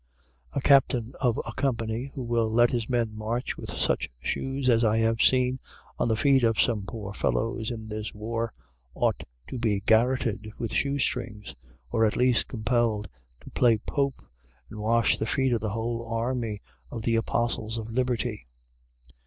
A captain of a company, who will let his men march with such shoes as I have seen on the feet of some poor fellows in this war, ought to be garroted with shoe strings, or at least compelled to play Pope and wash the feet of the whole army of the Apostles of Liberty.